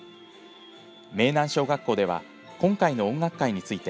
明南小学校では今回の音楽会について